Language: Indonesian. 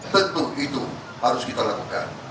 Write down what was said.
tentu itu harus kita lakukan